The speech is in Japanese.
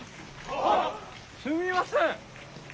すみません